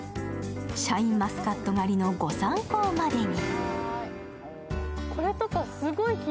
シャインマスカット狩りの御参考までに。